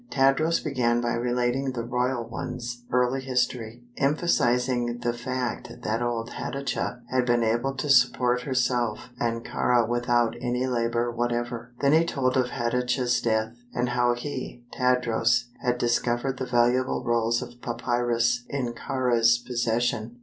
Tadros began by relating the "royal one's" early history, emphasizing the fact that old Hatatcha had been able to support herself and Kāra without any labor whatever. Then he told of Hatatcha's death, and how he, Tadros, had discovered the valuable rolls of papyrus in Kāra's possession.